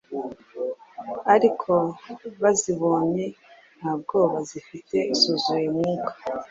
ariko bazibonye nta bwoba zifite, zuzuye Mwuka,